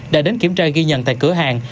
đã đến kiểm tra ghi nhận tại cửa hàng